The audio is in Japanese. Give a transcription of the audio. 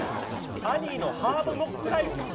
「アニー」の「ハードノックライフ」？